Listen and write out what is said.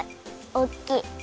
おっきい！